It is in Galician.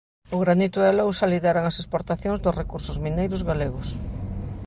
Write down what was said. O granito e a lousa lideran as exportacións dos recursos mineiros galegos.